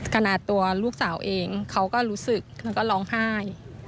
ขนาดตัวลูกสาวเองเขาก็รู้สึกแล้วก็ร้องไห้